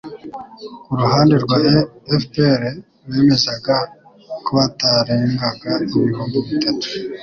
ku ruhande rwa FPR bemezaga ko batarengaga ibihumbi bitatu